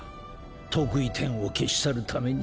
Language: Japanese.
特異点を消し去るために。